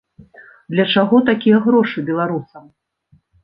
Для чаго такія грошы беларусам?